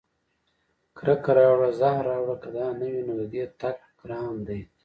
کرکه راوړه زهر راوړه که دا نه وي، نو د دې تګ ګران دی